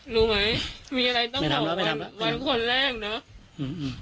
รู้ไหมมีอะไรต้องขอไม่ทำแล้วไม่ทำแล้ววันคนแรกน่ะอืมอืม